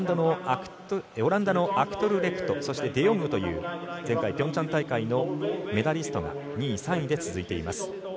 オランダのアクトルレクトそしてデヨングという前回ピョンチャン大会のメダリストが２位、３位と続いています。